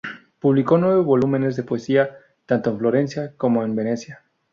Publicó nueve volúmenes de poesía, tanto en Florencia como en Venecia.